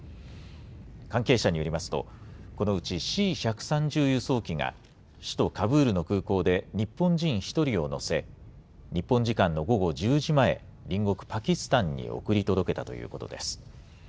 関係者によりますとこのうちＣ１３０輸送機が首都カブールの空港で日本人１人を乗せ日本時間の午後１０時前隣国パキスタンに送り届けたということです。